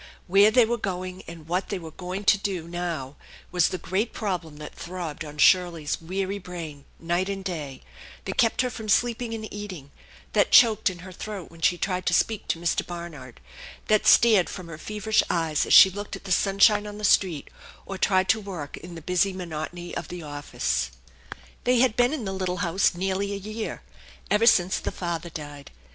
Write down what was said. Where they were going and what they were going to do now was the great problem that throbbed on Shirley's weary brain night and day, that kept her from sleeping and eating, that choked in her throat when she tried to speak to Mr. Barnard, that stared from her feverish ej r es as she looked at the sunshine on the street or tried to work in the busy monotony of the office. They had been in the little house nearly a year, ever since the father died.